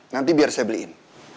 nanti biar saya beliin